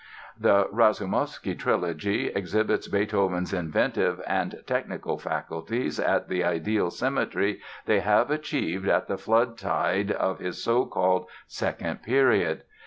The "Rasoumovsky" trilogy exhibits Beethoven's inventive and technical faculties at the ideal symmetry they had achieved at the flood tide of his so called "Second" period.